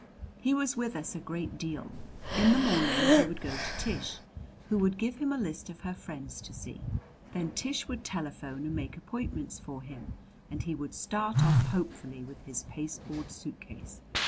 He was with us a great deal. In the morning he would go to Tish, who would give him a list of her friends to see. Then Tish would telephone and make appointments for him, and he would start off hopefully, with his pasteboard suitcase.